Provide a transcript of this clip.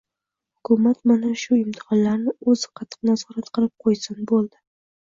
Hukumat mana shu imtihonlarni o‘zini qattiq nazorat qilib qo‘ysin, bo‘ldi.